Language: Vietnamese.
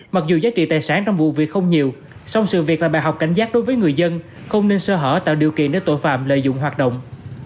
mặc dù giá trị tài sản trong vụ việc không nhiều song sự việc là bài học cảnh giác đối với người dân không nên sơ hở tạo điều kiện để tội phạm lợi dụng hoạt động